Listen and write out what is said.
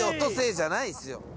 じゃないですよ。